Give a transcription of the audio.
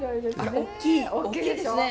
大きいですね。